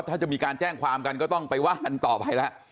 ถ้าจะมีการแจ้งความกันเนาะก็ต้องไปว่ะต่อไปนะ